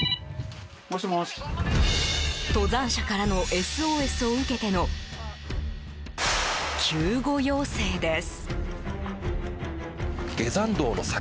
登山者からのＳＯＳを受けての救護要請です。